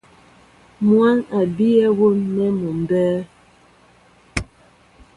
Mwǎn a bíyɛ́ wóm nɛ́ mɔ mbɛ́ɛ́.